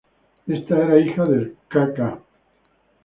Esta era hija del k.k.